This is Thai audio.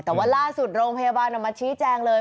แต่ว่าล่าสุดโรงพยาบาลออกมาชี้แจงเลย